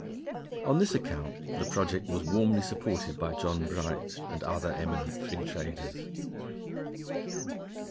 On this account the project was warmly supported by John Bright and other eminent free traders.